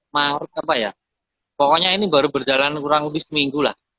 maaf apa ya pokoknya ini baru berjalan kurang lebih seminggu lah